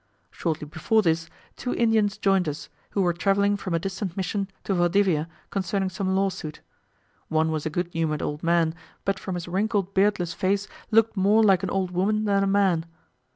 Shortly before this, two Indians joined us, who were travelling from a distant mission to Valdivia concerning some lawsuit. One was a good humoured old man, but from his wrinkled beardless face looked more like an old woman than a man.